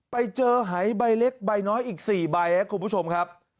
ไปเจอหายใบเล็กใบน้อยอีก๔ใบครับคุณผู้ชมครับ